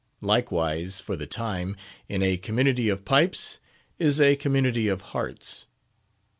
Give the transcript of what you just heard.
Likewise, for the time, in a community of pipes is a community of hearts!